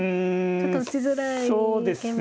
ちょっと打ちづらい桂馬ですか。